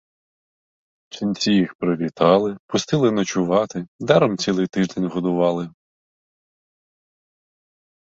Ченці їх привітали, пустили ночувати, даром цілий тиждень годували.